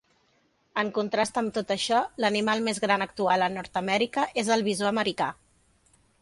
En contrast amb tot això, l'animal més gran actual a Nord-amèrica és el bisó americà.